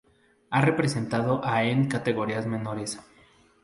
Ha representado a en categorías menores.